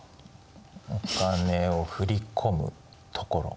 お金を振り込むところ。